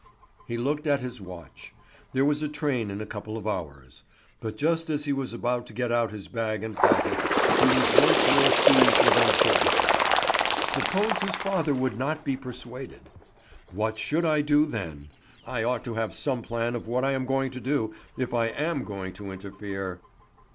He looked at his watch. There was a train in a couple of hours. But just as he was about to get out his bag and pack it, he was once more seized with uncertainty. Suppose his father would not be persuaded? "What should I do then! I ought to have some plan of what I am going to do, if I am going to interfere."